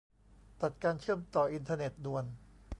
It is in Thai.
ตัดการเชื่อมต่ออินเทอร์เน็ตด่วน